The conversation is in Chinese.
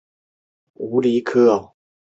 中国上古时期产生于中国中原地区。